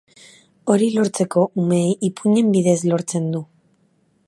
Hori lortzeko umeei ipuinen bidez lortzen du.